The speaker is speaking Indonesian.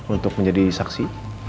untuk menjadi saksi